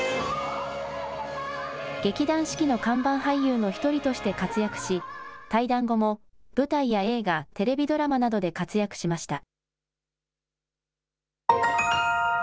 劇団四季の看板俳優の１人として活躍し退団後も舞台や映画、テレビドラマなどで活躍しました。